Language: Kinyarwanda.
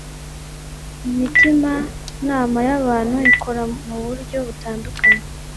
imitimanama y abantu ikora mu buryo butandukanye